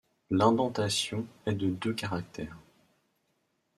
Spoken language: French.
L'indentation est de deux caractères.